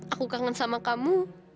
aku kangen sama kamu